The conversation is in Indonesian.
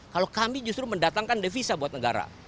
kalau kami justru mendatangkan devisa buat negara